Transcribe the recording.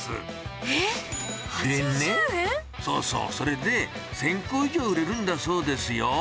そうそう、それで、１０００個以上売れるんだそうですよ。